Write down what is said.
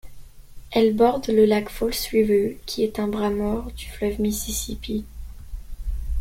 Elle borde le lac False River qui est un bras-mort du fleuve Mississippi.